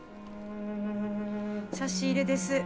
差し入れです。